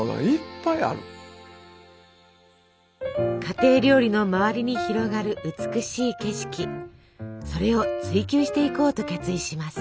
だから家庭料理の周りに広がる美しい景色それを追求していこうと決意します。